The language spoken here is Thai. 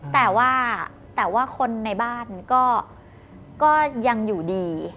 แต่ว่าคนในบ้านก็ยังอยู่ดี